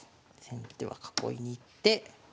先手は囲いに行って。